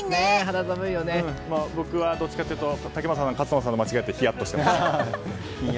僕はどっちかっていうと竹俣さんと勝野さんを間違えてヒヤッとしています。